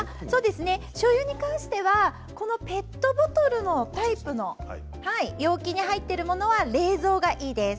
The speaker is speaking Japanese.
しょうゆに関してはペットボトルのタイプの容器に入っているものは冷蔵がいいです。